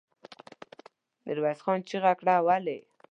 ميرويس خان چيغه کړه! ولې؟